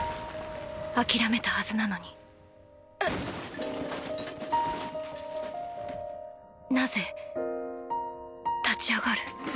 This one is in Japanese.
諦めたはずなのになぜ立ち上がる？